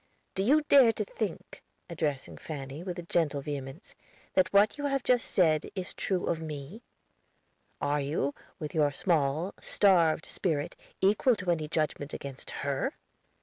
Do you dare to think," addressing Fanny with a gentle vehemence, "that what you have just said, is true of me? Are you, with your small, starved spirit, equal to any judgment against _her?